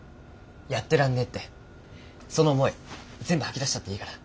「やってらんねえ！」ってその思い全部吐き出しちゃっていいから。